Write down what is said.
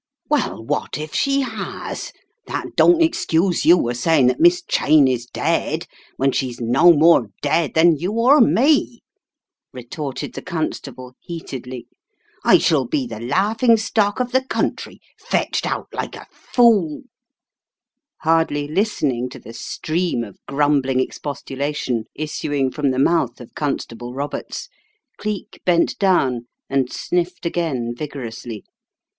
"Well, what if she has? That don't excuse you a saying that Miss Cheyne is dead, when she's no more dead than you or me " retorted the con stable, heatedly. "I shall be the laughing stock of the country, fetched out like a fool " Hardly listening to the stream of grumbling expostulation issuing from the mouth of Constable Roberts, Cleek bent down and sniffed again vigor ously.